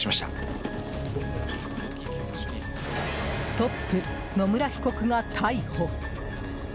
トップ、野村被告が逮捕。